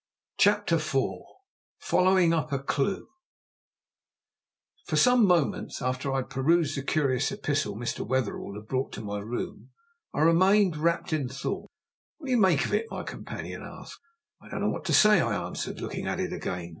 CHAPTER IV FOLLOWING UP A CLUE For some moments after I had perused the curious epistle Mr. Wetherell had brought to my room I remained wrapped in thought. "What do you make of it?" my companion asked. "I don't know what to say," I answered, looking at it again.